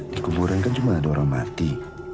di kuburan kan cuma ada orang mati